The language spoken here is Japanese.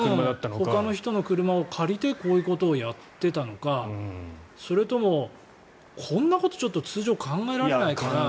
ほかの人の車を借りてこういうことをやっていたのかこんなこと通常、考えられないから。